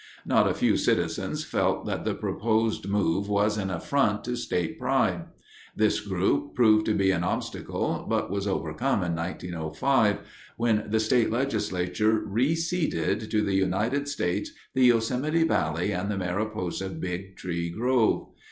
Not a few citizens felt that the proposed move was an affront to state pride. This group proved to be an obstacle but was overcome in 1905, when the state legislature re ceded to the United States the Yosemite Valley and the Mariposa Big Tree Grove.